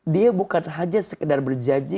dia bukan hanya sekedar berjanji